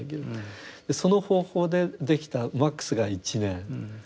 その方法でできたマックスが１年。